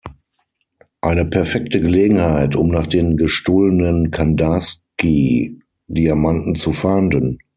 Eine perfekte Gelegenheit, um nach den gestohlenen Kandarsky-Diamanten zu fahnden.